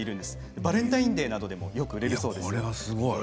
バレンタインデーでもよく売れるそうです。